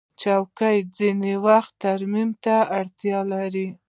چوکۍ ځینې وخت ترمیم ته اړتیا لري.